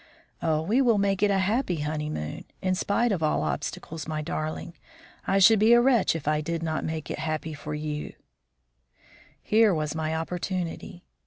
Oh, we will make it a happy honeymoon, in spite of all obstacles, my darling. I should be a wretch if I did not make it happy for you." Here was my opportunity.